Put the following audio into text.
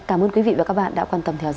cảm ơn quý vị và các bạn đã quan tâm theo dõi